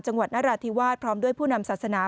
จังหวัดนราธิวาสพร้อมด้วยผู้นำศาสนา